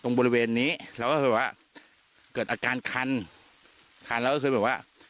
ตรงบริเวณนี้แล้วก็คือว่าเกิดอาการคันคันแล้วก็คือหมายถึงว่า